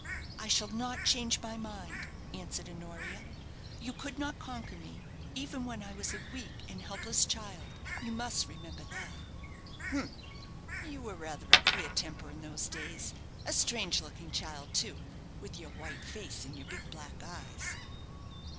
"I shall not change my mind," answered Honoria. "You could not conquer me, even when I was a weak and helpless child; you must remember that." "Humph! you were rather a queer temper in those days a strange looking child, too, with your white face and your big black eyes."